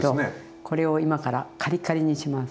これを今からカリカリにします。